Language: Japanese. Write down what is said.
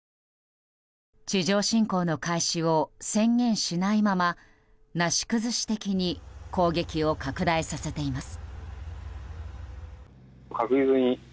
地上侵攻の開始を宣言しないままなし崩し的に攻撃を拡大させています。